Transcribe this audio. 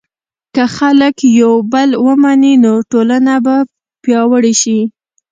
که خلک یو بل ومني، نو ټولنه به پیاوړې شي.